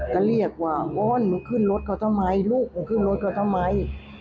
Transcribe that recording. ก็เรียกว่าวอนมึงขึ้นรถเขาทำไมลูกมึงขึ้นรถเขาทำไม